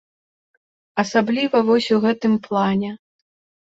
Асабліва вось у гэтым плане.